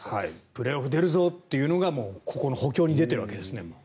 プレーオフ出るぞというのがここの補強に出ているわけですね。